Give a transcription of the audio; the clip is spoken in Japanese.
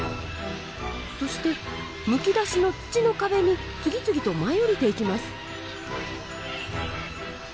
そしてむき出しの土の壁に次々と舞い下りていきます。